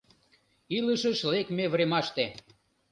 илышыш лекме времаште